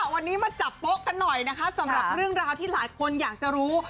วันนี้มาจับโป๊ะกันหน่อยนะคะสำหรับเรื่องราวที่หลายคนอยากจะรู้